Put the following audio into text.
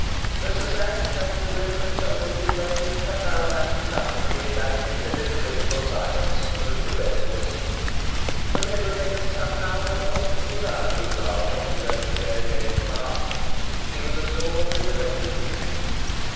Mr. Sachs, having delivered himself of his load, had now lapsed comfortably back into his original silence, and was prepared to listen. But Edward Henry, somehow, had lost the desire to enlarge on his own variegated past. He was absorbed in the greater future.